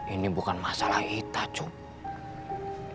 ini bukan masalah ita cuy